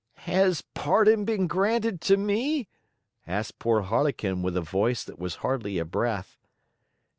"Has pardon been granted to me?" asked poor Harlequin with a voice that was hardly a breath.